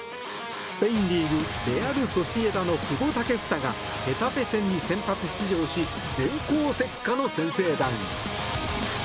スペインリーグレアル・ソシエダの久保建英がヘタフェ戦に先発出場し電光石火の先制弾！